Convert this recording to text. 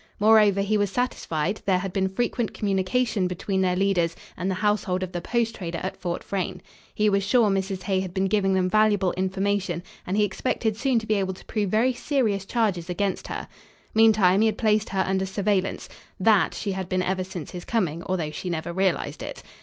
Moreover, he was satisfied there had been frequent communication between their leaders and the household of the post trader at Fort Frayne. He was sure Mrs. Hay had been giving them valuable information, and he expected soon to be able to prove very serious charges against her. Meantime, he had placed her under surveillance. (That she had been ever since his coming, although she never realized it.)